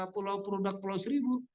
pulau produk pulau seribu